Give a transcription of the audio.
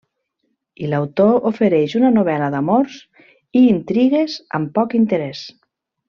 I l'autor ofereix una novel·la d'amors i intrigues amb poc interès.